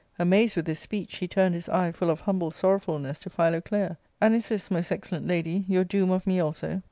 Amazed with this speech, he turned his eye, full of humble sorrowfulness, to Phi loclea. "And is this, most excellent lady, your doom of me also